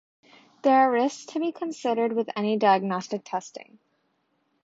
There are risks to be considered with any diagnostic testing.